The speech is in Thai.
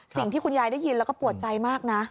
สิ่งที่คุณยายได้ยินแล้วก็ปวดใจมากนะ